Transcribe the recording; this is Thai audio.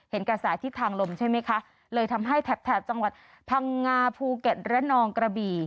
กระแสทิศทางลมใช่ไหมคะเลยทำให้แถบจังหวัดพังงาภูเก็ตระนองกระบี่